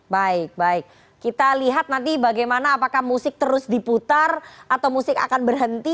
baik baik kita lihat nanti bagaimana apakah musik terus diputar atau musik akan berhenti